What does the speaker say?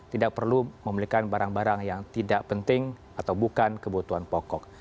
tidak perlu membelikan barang barang yang tidak penting atau bukan kebutuhan pokok